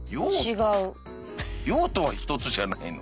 用途は１つじゃないの？